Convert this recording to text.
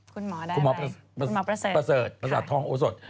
คุณหมอประเสริฐ